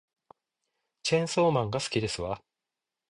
チェーンソーマンが好きですわ